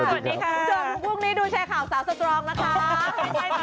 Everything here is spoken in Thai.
สวัสดีค่ะคุณผู้ชมพรุ่งนี้ดูแชร์ข่าวสาวสตรองนะคะ